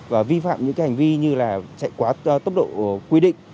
và vi phạm những cái hành vi như là chạy quá tốc độ quy định